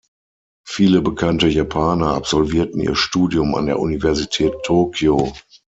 Viele bekannte Japaner absolvierten ihr Studium an der Universität Tokio.